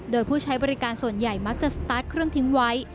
โดยผู้ใช้บริการส่วนใหญ่มักจะสตาร์ทเครื่องทิ้งไว้